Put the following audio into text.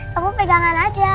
kamu pegangan aja